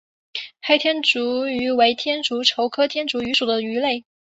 黑天竺鱼为天竺鲷科天竺鱼属的鱼类。